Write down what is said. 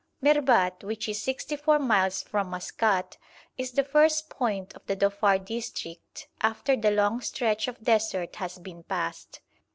Merbat, which is sixty four miles from Maskat, is the first point of the Dhofar district after the long stretch of desert has been passed.